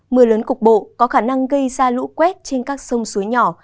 mưa lớn cục bộ có khả năng gây ra lũ quét trên các sông suối nhỏ